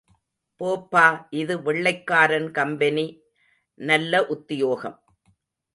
போப்பா இது வெள்ளைக்காரன், கம்பெனி... நல்ல உத்தியோகம்.